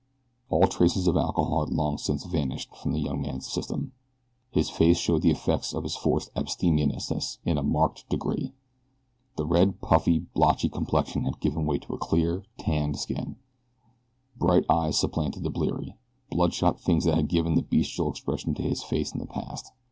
All traces of alcohol had long since vanished from the young man's system. His face showed the effects of his enforced abstemiousness in a marked degree. The red, puffy, blotchy complexion had given way to a clear, tanned skin; bright eyes supplanted the bleary, bloodshot things that had given the bestial expression to his face in the past.